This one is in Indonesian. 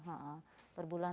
iya iya perbulan